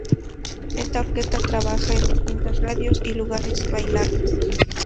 Esta orquesta trabajaba en distintas radios y lugares bailables.